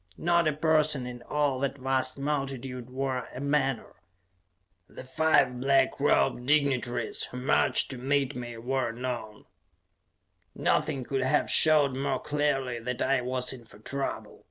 Not a person in all that vast multitude wore a menore; the five black robed dignitaries who marched to meet me wore none. Nothing could have showed more clearly that I was in for trouble.